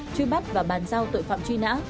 truy bắt và bàn giao tội phạm truy nã